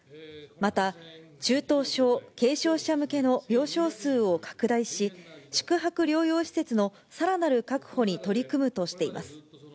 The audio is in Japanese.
また、中等症、軽症者向けの病床数を拡大し、宿泊療養施設のさらなる確保に取り組むとしています。